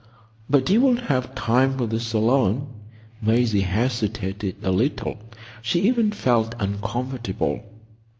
But you won't have time for the Salon." Maisie hesitated a little. She even felt uncomfortable.